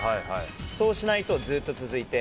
そうしないとずっと続きます。